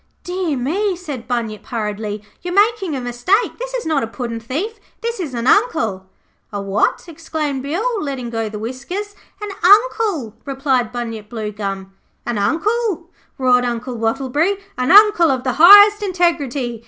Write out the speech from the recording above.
'Dear me,' said Bunyip, hurriedly, 'you are making a mistake. This is not a puddin' thief, this is an Uncle.' 'A what?' exclaimed Bill, letting go the whiskers. 'An Uncle,' replied Bunyip Bluegum. 'An Uncle,' roared Uncle Wattleberry. 'An Uncle of the highest integrity.